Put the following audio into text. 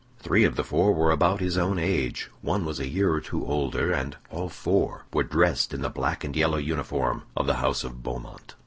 Three of the four were about his own age, one was a year or two older, and all four were dressed in the black and yellow uniform of the house of Beaumont.